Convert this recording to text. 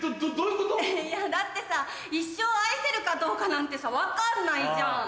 いやだってさ一生愛せるかどうかなんてさ分かんないじゃん。